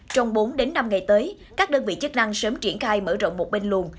trong bốn đến năm ngày tới các đơn vị chức năng sớm triển khai mở rộng một bên luồng